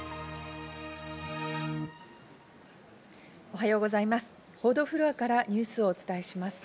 おはようございます。